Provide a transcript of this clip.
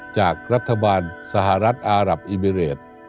จากรัฐบาลสหรัฐอารับอิมิเรต